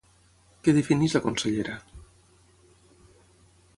Què defineix la consellera?